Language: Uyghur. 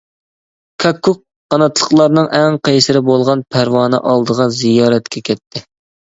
كاككۇك قاناتلىقلارنىڭ ئەڭ قەيسىرى بولغان پەرۋانە ئالدىغا زىيارەتكە كەتتى.